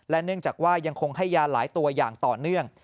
เนื่องจากว่ายังคงให้ยาหลายตัวอย่างต่อเนื่อง